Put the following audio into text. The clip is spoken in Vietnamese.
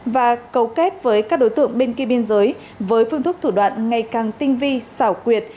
và cấu kết với các đối tượng bên kia biên giới với phương thức thủ đoạn ngày càng tinh vi xảo quyệt